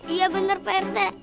iya bener pak rt